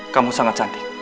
kamu sangat cantik